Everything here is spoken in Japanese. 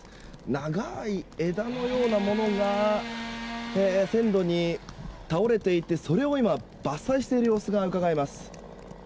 長い枝のようなものが線路に倒れていてそれを今、伐採している様子がうかがえます。